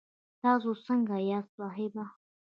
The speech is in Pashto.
تاسو سنګه یاست صاحبه